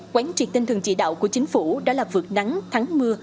quán triệt tinh thường chỉ đạo của chính phủ đã lập vượt nắng thắng mưa